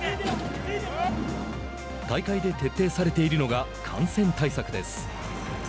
大会で徹底されているのが感染対策です。